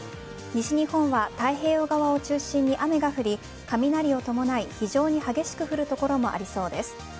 西日本は太平洋側を中心に雨が降り雷を伴い、非常に激しく降る所もありそうです。